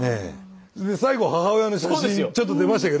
で最後母親の写真ちょっと出ましたけど。